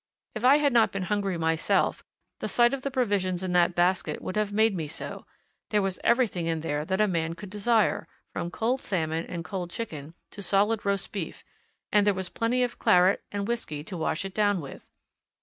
If I had not been hungry myself, the sight of the provisions in that basket would have made me so there was everything in there that a man could desire, from cold salmon and cold chicken to solid roast beef, and there was plenty of claret and whisky to wash it down with.